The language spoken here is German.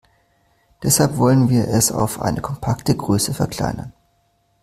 Deshalb wollen wir es auf eine kompakte Größe verkleinern.